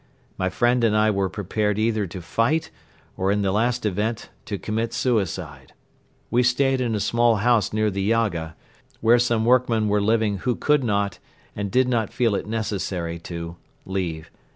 My friend and I were prepared either to fight or, in the last event, to commit suicide. We stayed in a small house near the Yaga, where some workmen were living who could not, and did not feel it necessary to, leave.